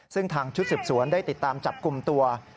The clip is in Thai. ซึ่งทางชุดสืบสวนได้ติดตามจับกลุ่มตัว